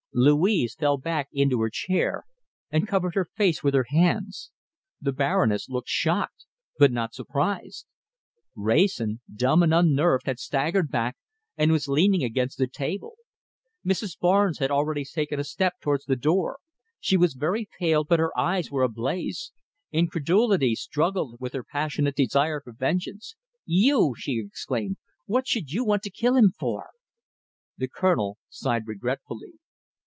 Louise fell back into her chair and covered her face with her hands. The Baroness looked shocked but not surprised. Wrayson, dumb and unnerved, had staggered back, and was leaning against the table. Mrs. Barnes had already taken a step towards the door. She was very pale, but her eyes were ablaze. Incredulity struggled with her passionate desire for vengeance. "You!" she exclaimed. "What should you want to kill him for?" The Colonel sighed regretfully.